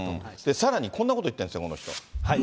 さらにこんなこと言ってるんです、この人。